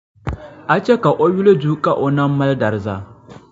a chɛ ka o yuli du ka o nam mali dariza.